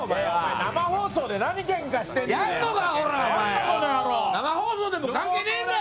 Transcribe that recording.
生放送で何けんかしてんだよ。